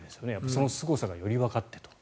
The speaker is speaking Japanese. そのすごさがよりわかってと。